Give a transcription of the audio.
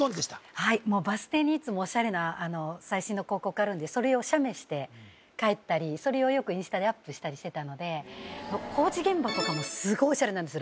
はいバス停にいつもオシャレな最新の広告あるんでそれを写メして帰ったりそれをよくインスタでアップしたりしてたので工事現場とかもすごいオシャレなんですよ